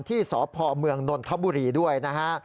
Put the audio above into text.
ที่สพเมืองนนทบุรีด้วยนะฮะ